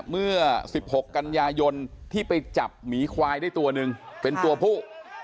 เมื่อ๑๖กันยายนที่ไปจับหมีควายได้ตัวหนึ่งเป็นตัวผู้